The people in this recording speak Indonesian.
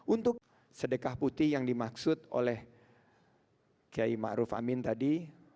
untuk sedekah putih yang dimaksud oleh kiai ma'ruf amin tadi